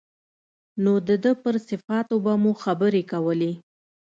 نو د ده پر صفاتو به مو خبرې کولې.